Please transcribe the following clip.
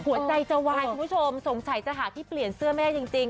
หัวใจจะวายคุณผู้ชมสงสัยจะหาที่เปลี่ยนเสื้อแม่จริง